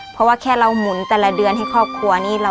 เพราะว่าแค่เราหมุนแต่ละเดือนให้ครอบครัวนี้